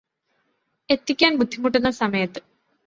എത്തിക്കാൻ ബുദ്ധിമുട്ടുന്ന സമയത്ത്